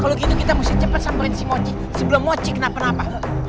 hai kalau gitu kita musik cepet sampai si mochi sebelum mochi kenapa kenapa